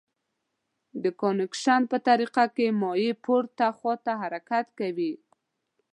د کانویکشن په طریقه کې مایع پورته خواته حرکت کوي.